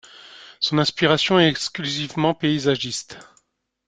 Son inspiration est exclusivement paysagiste.